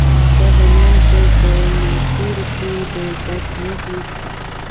د هلمند په ګرمسیر کې د ګچ نښې شته.